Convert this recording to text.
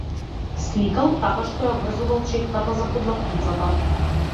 Сликал така што ја врзувал четката за подлактицата.